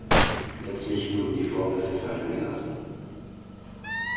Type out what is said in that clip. Letztlich wurden die Vorwürfe fallen gelassen.